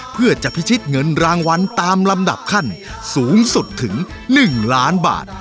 เพื่อจะพิชิตเงินรางวัลตามลำดับขั้นสูงสุดถึง๑ล้านบาท